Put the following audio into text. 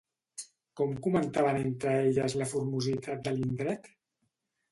Com comentaven entre elles la formositat de l'indret?